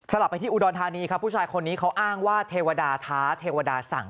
กลับไปที่อุดรธานีครับผู้ชายคนนี้เขาอ้างว่าเทวดาท้าเทวดาสั่ง